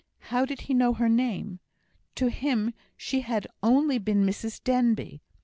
How did he know her name? To him she had only been Mrs Denbigh.